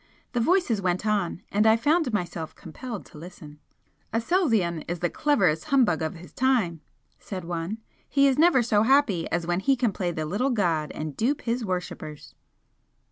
The voices went on, and I found myself compelled to listen. "Aselzion is the cleverest humbug of his time," said one "He is never so happy as when he can play the little god and dupe his worshippers!"